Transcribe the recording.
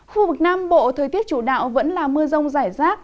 khu vực nam bộ thời tiết chủ đạo vẫn là mưa rông rải rác